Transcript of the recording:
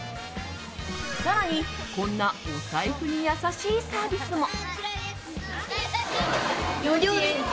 更に、こんなお財布に優しいサービスも。